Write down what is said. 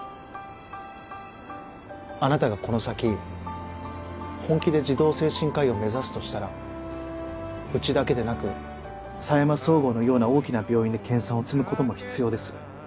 あなたがこの先本気で児童精神科医を目指すとしたらうちだけでなく佐山総合のような大きな病院で研鑽を積む事も必要です。